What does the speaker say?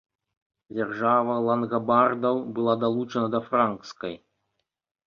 Дзяржава лангабардаў была далучана да франкскай.